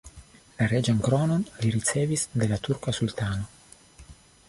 La reĝan kronon li ricevis de la turka sultano.